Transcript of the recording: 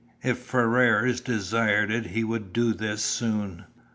If Ferrars desired it he would do this soon.